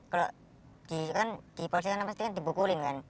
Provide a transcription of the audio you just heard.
kalau di polisi kan pasti kan dibukulin kan